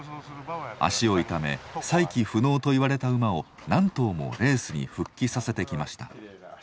脚を痛め再起不能といわれた馬を何頭もレースに復帰させてきました。